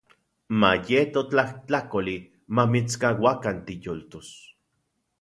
Mayeto tlajtlakoli mamitskauakan tiyoltos.